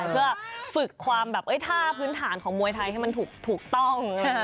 เพื่อฝึกความแบบท่าพื้นฐานของมวยไทยให้มันถูกต้อง